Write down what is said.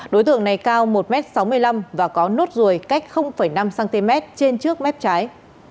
đối tượng này cao một m sáu mươi năm và có nốt ruồi cách năm cm trên trước mép trái